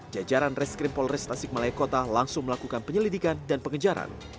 jajaran reskrim polres tasikmalaya kota langsung melakukan penyelidikan dan pengejaran